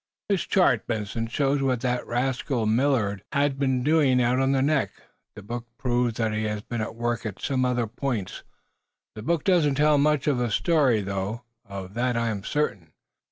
"This chart, Benson, shows what the rascal Millard, has been doing out on the neck. This book proves that he has been at work at some other points. The book doesn't tell much of the story, though. Of that I am certain.